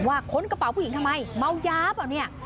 ว่าข้นกระเป๋าผู้หญิงทำไมเมายาบะเนี่ย